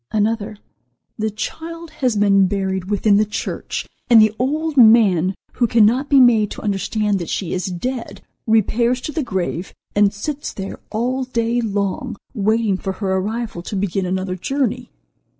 Another: "The child has been buried within the church, and the old man, who cannot be made to understand that she is dead repairs to the grave and sits there all day long, waiting for her arrival to begin another journey.